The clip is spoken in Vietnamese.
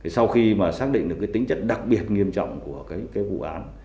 sau khi xác định được tính chất đặc biệt nghiêm trọng của vụ án